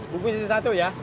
bukuin satu ya